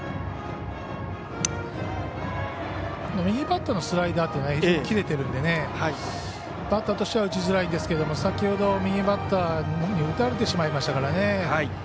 右バッターのスライダーというのは非常に切れてるのでバッターとしては打ちづらいんですが先ほど右バッターに打たれてしまいましたからね。